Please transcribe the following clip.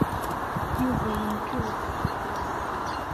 Yuba yenkeḍ.